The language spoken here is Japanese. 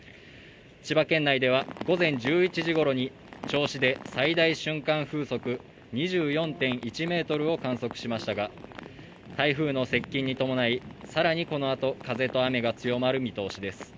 千葉県内では午前１１時ごろに銚子で最大瞬間風速２４．１メートルを観測しましたが台風の接近に伴いさらにこのあと風と雨が強まる見通しです